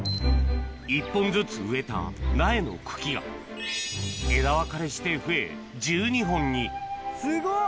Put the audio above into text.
１本ずつ植えた苗の茎が枝分かれして増え１２本にすごっ。